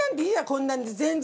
こんなんで全然。